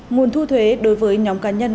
nguồn thu thuế đối với nhóm cá nhân